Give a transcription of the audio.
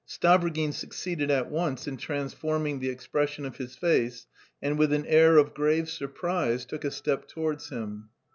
Stavrogin succeeded at once in transforming the expression of his face, and with an air of grave surprise took a step towards him.